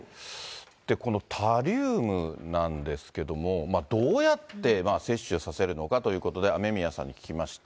このタリウムなんですけれども、どうやって摂取させるのかということで、雨宮さんに聞きました。